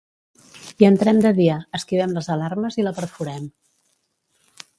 Hi entrem de dia, esquivem les alarmes i la perforem.